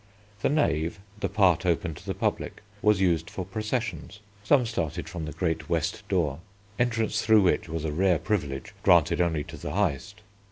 The Nave, the part open to the public, was used for processions; some started from the great west door, entrance through which was a rare privilege granted only to the highest.